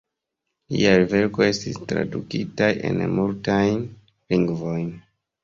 Liaj verkoj estis tradukitaj en multajn lingvojn.